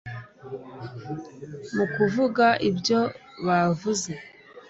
mu kuvuga ibyo bavuze